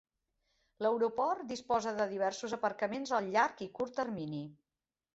L'aeroport disposa de diversos aparcaments a llarg i curt termini.